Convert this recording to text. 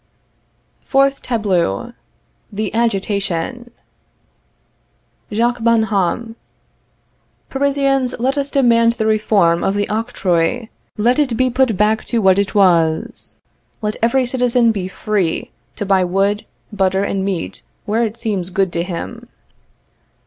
FOURTH TABLEAU. The Agitation. Jacques Bonhomme. Parisians, let us demand the reform of the octroi; let it be put back to what it was. Let every citizen be FREE to buy wood, butter and meat where it seems good to him.